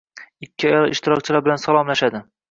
ikki ayol ishtirokchilar bilan salomlashadi.